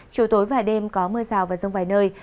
chiều tối và đêm có mưa rào và rông vài nơi